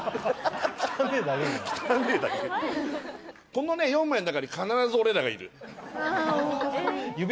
この４枚の中に必ず俺らがいる。